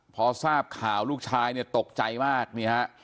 พอทราบข่าวลูกชายเนี่ยตกใจมากนี่ฮะ